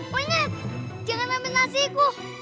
munyit jangan ambil nasiku